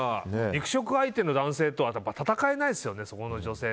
肉食相手の男性と戦えないですよね。